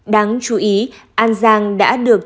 đáng chú ý an giang đã được